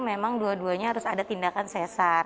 memang dua duanya harus ada tindakan sesar